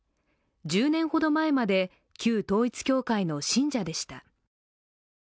１０年ほど前まで旧統一教会の信者でした。